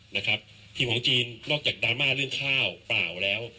นะครับทีมของจีนนอกจากดราม่าเรื่องข้าวเปล่าแล้ว